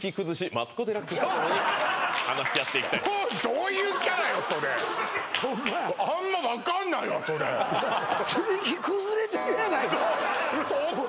マツコデラックスとともに話し合っていきたいとどういうキャラよそれホンマやあんま分かんないわそれホント？